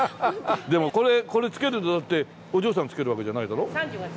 でもこれ漬けるのだってお嬢さん漬けるわけじゃないだろ？